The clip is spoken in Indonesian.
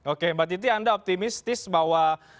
oke mbak titi anda optimistis bahwa